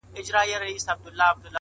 علم انسان ته حقیقي ځواک ورکوي؛